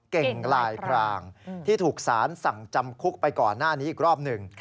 เก่งลายพรางที่ถูกสารสั่งจำคุกไปก่อนหน้านี้อีกรอบหนึ่ง